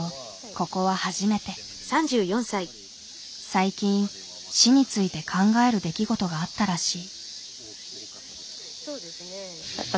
最近死について考える出来事があったらしい。